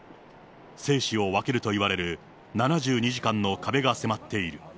生死を分けるといわれる７２時間の壁が迫っている。